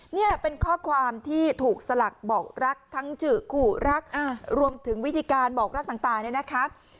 นี่เป็นข้อความที่ถูกสลักบอกรักทั้งจือขู่รักรวมถึงวิธีการบอกรักต่างเนี่ยนะคะ